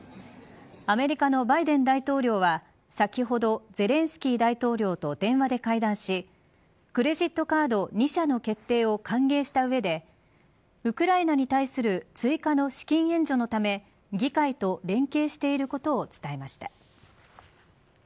アメリカのバイデン大統領は先ほどゼレンスキー大統領と電話で会談しクレジットカード２社の決定を歓迎したうえでウクライナに対する追加の資金援助のため議会と連携していることを伝えました。